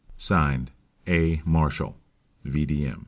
(Signed) A. Marshall, V.